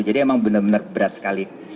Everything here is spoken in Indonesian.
jadi emang benar benar berat sekali